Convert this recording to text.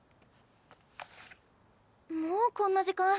もうこんな時間。